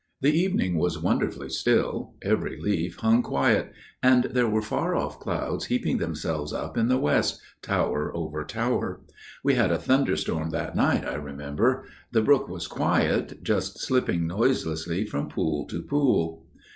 "The evening was wonderfully still: every leaf hung quiet: and there were far off clouds heaping themselves up in the west, tower over tower. We had a thunderstorm that night, I remember. The brook was quiet, just slipping noiselessly from pool to pool.